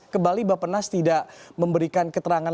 kembali bapak nas tidak memberikan keterangan